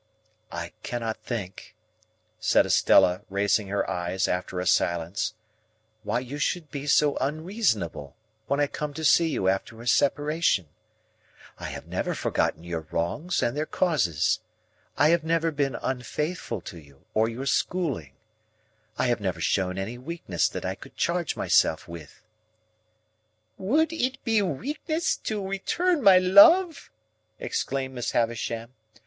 "I cannot think," said Estella, raising her eyes after a silence "why you should be so unreasonable when I come to see you after a separation. I have never forgotten your wrongs and their causes. I have never been unfaithful to you or your schooling. I have never shown any weakness that I can charge myself with." "Would it be weakness to return my love?" exclaimed Miss Havisham.